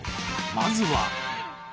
まずは。